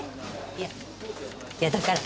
いやいやだから。